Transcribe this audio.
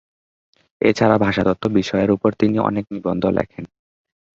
এ ছাড়া ভাষাতত্ত্ব বিষয়ের ওপর তিনি অনেক নিবন্ধ লেখেন।